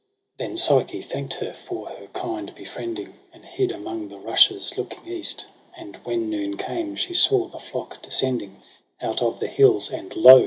Then Psyche thankt her for her kind befriending, And hid among the rushes looking east ; And when noon came she saw the flock descending Out of the hills ; and lo